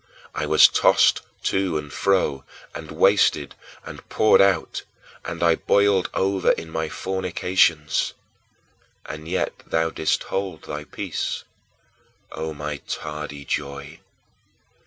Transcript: I was tossed to and fro, and wasted, and poured out, and I boiled over in my fornications and yet thou didst hold thy peace, O my tardy Joy!